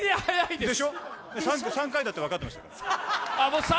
でしょ、３回だって分かってましたから。